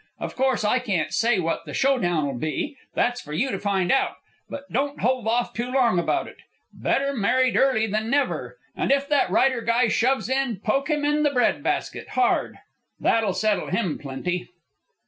Of course I can't say what the showdown'll be. That's for you to find out. But don't hold off too long about it. Better married early than never. And if that writer guy shoves in, poke him in the breadbasket hard! That'll settle him plenty.